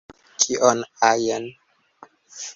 Kion ajn!